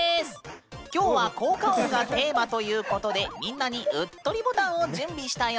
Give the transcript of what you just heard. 今日は「効果音」がテーマということでみんなにうっとりボタンを準備したよ。